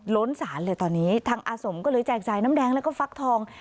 ล้นศาลเลยตอนนี้ทางอาสมก็เลยแจกจ่ายน้ำแดงแล้วก็ฟักทอง